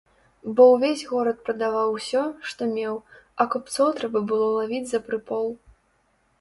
Бо ўвесь горад прадаваў усё, што меў, а купцоў трэба было лавіць за прыпол.